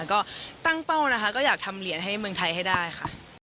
ก็ตั้งเป้านะคะก็อยากทำเหรียญให้เมืองไทยให้ได้ค่ะ